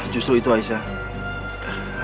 justru itu aisyah